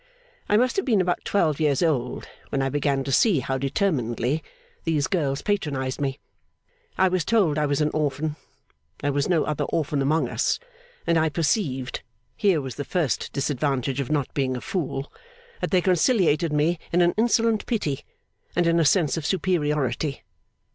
I must have been about twelve years old when I began to see how determinedly those girls patronised me. I was told I was an orphan. There was no other orphan among us; and I perceived (here was the first disadvantage of not being a fool) that they conciliated me in an insolent pity, and in a sense of superiority.